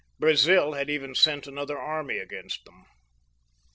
Brazil had even sent another army against them.